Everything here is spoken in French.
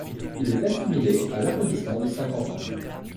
Il est assimilé à l'arrondissement de Saint-Quentin.